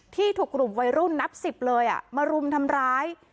ที่ถูกกลุ่มวัยรุ่นนับสิบเลยมารุมทำร้าย